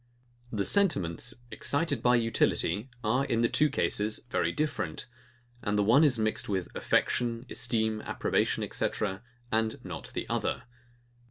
The sentiments, excited by utility, are, in the two cases, very different; and the one is mixed with affection, esteem, approbation, &c., and not the other.